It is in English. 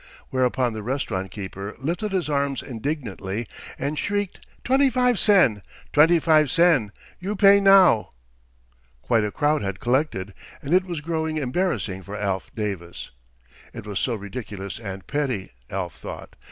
Whereupon the restaurant keeper lifted his arms indignantly and shrieked: "Twenty five sen! Twenty five sen! You pay now!" Quite a crowd had collected, and it was growing embarrassing for Alf Davis. It was so ridiculous and petty, Alf thought.